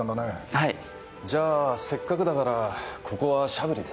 じゃせっかくだからここは「シャブリ」で。